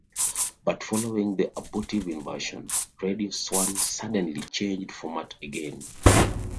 But following the abortive invasion, Radio Swan suddenly changed format again.